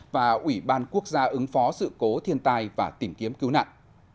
và ủy ban quốc gia ứng phó sự cố thiên tai và tìm kiếm cứu nạn